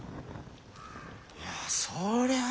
いやそりゃあ